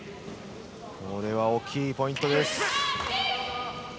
これは大きいポイントです。